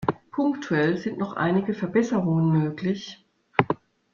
Punktuell sind noch einige Verbesserungen möglich.